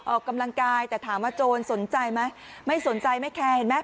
ออกกำลังกายแต่ถามว่าโจรสนใจไหมไม่สนใจไม่แคร์เห็นไหม